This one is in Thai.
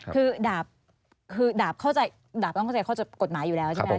คือดาบเข้าใจกฎหมายอยู่แล้วใช่ไหม